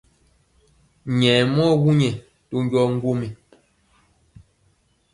Nyayɛ yaŋ mɔ wuŋ ɓɛ to njɔɔ ŋgwom.